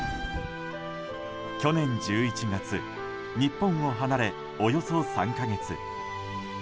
去年１１月、日本を離れおよそ３か月。